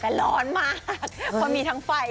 แต่ร้อนมากเพราะมีทั้งไฟ